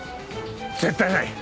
絶対ない！